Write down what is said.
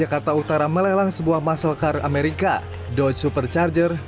kata utara melelang sebuah muscle car amerika dodge supercharger